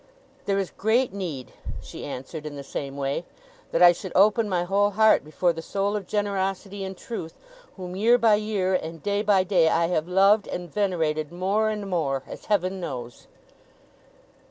'There is great need,' she answered, in the same way, 'that I should open my whole heart before the soul of generosity and truth, whom, year by year, and day by day, I have loved and venerated more and more, as Heaven knows!